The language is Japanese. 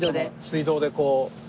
水道でこう。